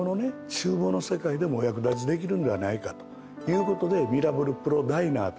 厨房の世界でもお役立ちできるのではないかという事でミラブルプロダイナーというね